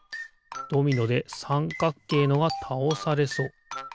ドミノでさんかっけいのがたおされそう。